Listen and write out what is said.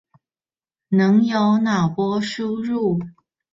能有腦波輸入